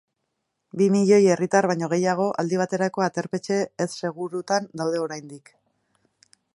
Bi milioi herritar baino gehiago aldi baterako aterpetxe ez segurutan daude oraindik.